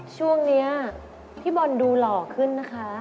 ช่วงนี้พี่บอลดูหล่อขึ้นนะคะ